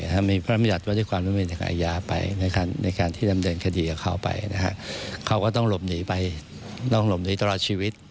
หากหลบหนีก็ต้องหนีไปตลอดชีวิต